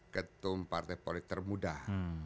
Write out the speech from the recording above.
ketum partai politik termudah